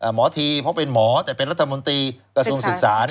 หมอทีเพราะเป็นหมอแต่เป็นรัฐมนตรีกระทรวงศึกษา